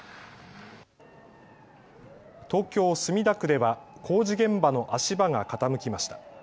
東京墨田区では工事現場の足場が傾きました。